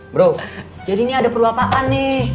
bro jadi ini ada perlu apaan nih